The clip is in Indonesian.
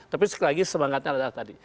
tapi sekali lagi semangatnya adalah tadi